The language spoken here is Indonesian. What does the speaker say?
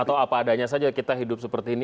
atau apa adanya saja kita hidup seperti ini